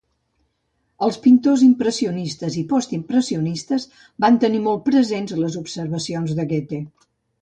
Els pintors impressionistes i postimpressionistes van tenir molt presents les observacions de Goethe.